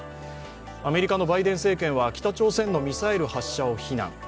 アメリカのバイデン政権は北朝鮮のミサイル発射を非難。